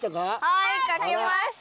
はいかけました！